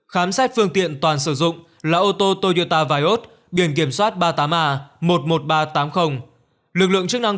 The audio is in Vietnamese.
khám xét phương tiện toàn sử dụng là ô tô toyota viot biển kiểm soát ba mươi tám a một mươi một nghìn ba trăm tám mươi lực lượng chức năng